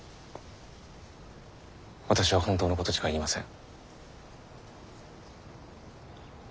私は本当のことしか言いません。